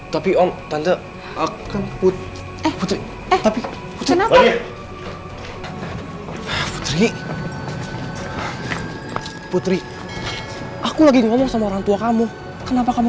tapi om tante aku putih tapi putih putih putih aku lagi ngomong sama orang tua kamu kenapa kamu